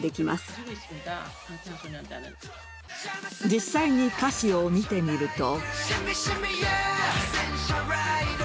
実際に歌詞を見てみると。